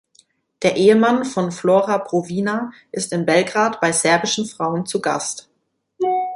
Der Ehemann von Flora Brovina ist in Belgrad bei serbischen Frauen zu Gast.